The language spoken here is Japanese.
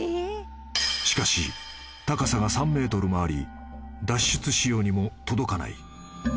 ［しかし高さが３ｍもあり脱出しようにも届かない］